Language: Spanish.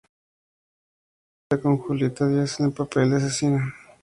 Este episodio cuenta con Julieta Díaz, en el papel de asesina.